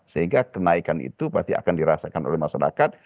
sehingga kenaikan itu pasti akan dirasakan oleh masyarakat